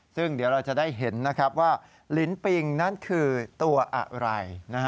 ซึ่งเดี๋ยวเราจะได้เห็นว่าลิ้นปิงนั้นคือตัวอะไร